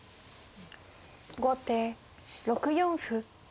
後手６四歩。